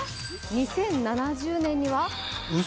２０７０年には嘘！？